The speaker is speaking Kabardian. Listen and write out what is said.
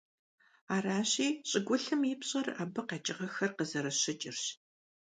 Аращи, щӀыгулъым и пщӀэр абы къэкӀыгъэхэр къызэрыщыкӀырщ.